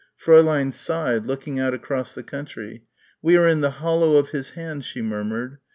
Fräulein sighed, looking out across the country. "We are in the hollow of His hand," she murmured.